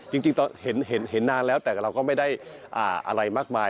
จริงเห็นนานเป็นแล้วแต่ไม่ได้อะไรมากมาย